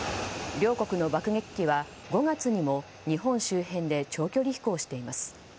両国の爆撃機は５月にも日本周辺で長距離飛行しています。